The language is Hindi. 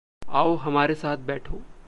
आओ हमारे साथ बैठो।